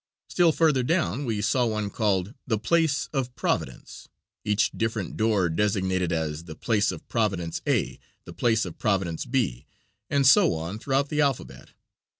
Still further down we saw one called "The place of Providence," each different door designated as "The place of Providence A, the place of Providence B," and so on throughout the alphabet.